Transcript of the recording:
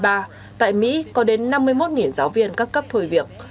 các trường học đã bắt đầu đưa ra một giáo viên các cấp thuê việc